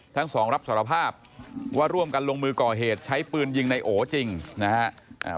ทั้งสองรับสารภาพว่าร่วมกันลงมือก่อเหตุใช้ปืนยิงในโอจริงนะครับ